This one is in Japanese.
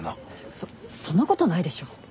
そっそんなことないでしょ。